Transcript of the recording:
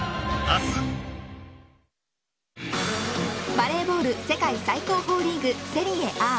バレーボール世界最高峰リーグセリエＡ。